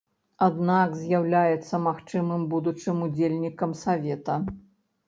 Аднак з'яўляецца магчымым будучым удзельнікам савета.